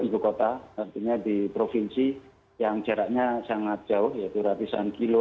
ibu kota artinya di provinsi yang jaraknya sangat jauh yaitu ratusan kilo